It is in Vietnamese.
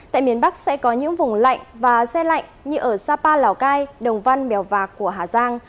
tại miền bắc sẽ có những vùng lạnh và xe lạnh như ở sapa lào cai đồng văn mèo vạc của hà giang